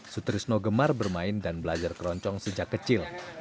sutrisno gemar bermain dan belajar keroncong sejak kecil